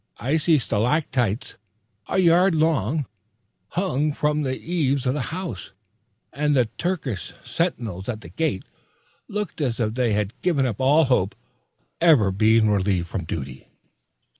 Icy stalactites, a yard long, bung from the eaves of the house, and the Turkish sentinels at the gate looked as if they had given up all hopes of ever being relieved from duty.